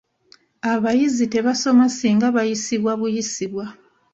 Abayizi tebasoma singa bayisibwa buyisibwa.